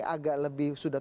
agak lebih sudah